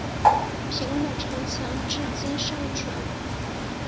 平鲁城墙至今尚存。